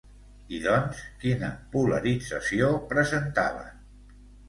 I doncs, quina polarització presentaven?